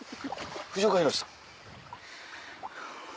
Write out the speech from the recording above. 藤岡弘、さん？